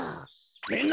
みんな！